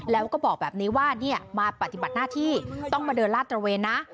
แล้วก็บอกแบบนี้ว่ามาปฏิบัติหน้าที่ต้องมาเดินลาดตระเวนนะ